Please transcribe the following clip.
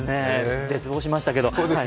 絶望しましたけど。